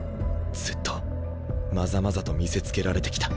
ずっとまざまざと見せつけられてきた。